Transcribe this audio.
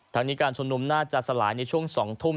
นี้การชุมนุมน่าจะสลายในช่วง๒ทุ่ม